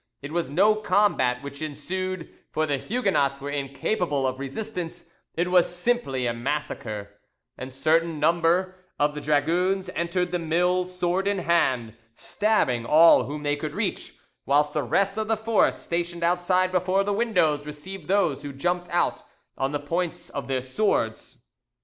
It was no combat which ensued, for the Huguenots were incapable of resistance, it was simply a massacre; a certain number of the dragoons entered the mill sword in hand, stabbing all whom they could reach, whilst the rest of the force stationed outside before the windows received those who jumped out on the points of their swords.